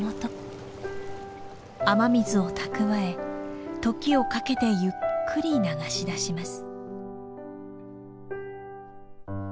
雨水を蓄え時をかけてゆっくり流し出します。